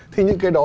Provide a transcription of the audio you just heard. thì những cái đó